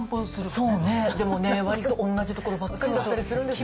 そうねでもね割と同じところばっかりだったりするんですよ。